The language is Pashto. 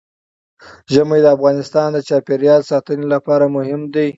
ژمی د افغانستان د چاپیریال ساتنې لپاره مهم دي.